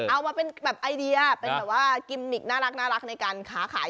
เอามาเป็นแบบไอเดียเป็นแบบว่ากิมมิกน่ารักในการค้าขาย